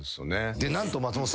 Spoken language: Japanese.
で何と松本さん